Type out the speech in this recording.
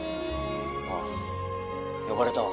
あっ呼ばれたわ。